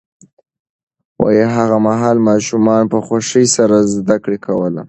هغه مهال ماشومانو په خوښۍ سره زده کړه کوله.